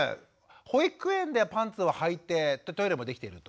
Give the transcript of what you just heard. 保育園ではパンツをはいてトイレもできていると。